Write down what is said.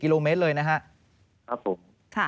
กิโลเมตรเลยนะครับผม